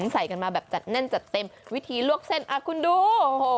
ใส่กันมาแบบจัดแน่นจัดเต็มวิธีลวกเส้นอ่ะคุณดูโอ้โห